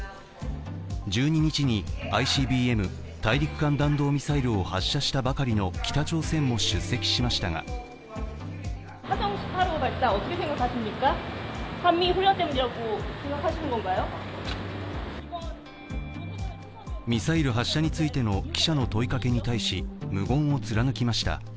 １２日にＩＣＢＭ＝大陸間弾道ミサイルを発射したばかりの北朝鮮も出席しましたがミサイル発射についての記者の問いかけに対し無言を貫きました。